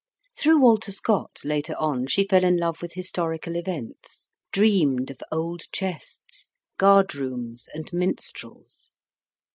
Through Walter Scott, later on, she fell in love with historical events, dreamed of old chests, guard rooms and minstrels.